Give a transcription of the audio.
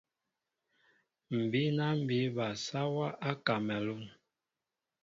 M̀ bíná mbí bal sáwā á Kámalûn.